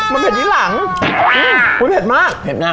มันเป็ดที่หลังอืมอุ้ยเผ็ดมากเผ็ดน่ะครับ